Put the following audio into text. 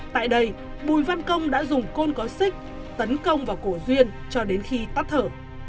tại đây bùi văn công đã dùng côn có xích tấn công vào cổ duyên cho đến khi tắt thở